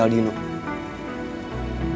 tapi dia juga bisa berubah